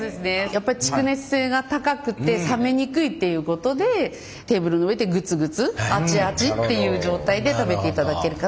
やっぱり蓄熱性が高くて冷めにくいっていうことでテーブルの上でグツグツアチアチっていう状態で食べていただけるかな。